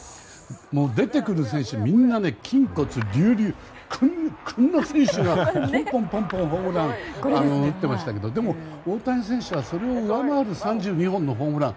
出てくる選手、みんな筋骨隆々でこんな選手がポンポンホームランを打っていましたがでも、大谷選手はそれを上回る３２本のホームラン。